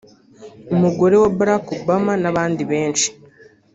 umugore wa Barack Obama n’abandi benshi